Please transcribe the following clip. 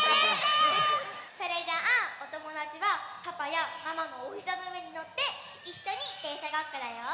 それじゃおともだちはパパやママのおひざのうえにのっていっしょにでんしゃごっこだよ。